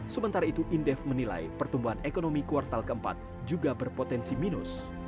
sementara itu indef menilai pertumbuhan ekonomi kuartal keempat juga berpotensi minus